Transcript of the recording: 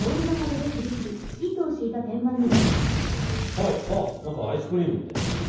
はいああ何かアイスクリームみたいですね。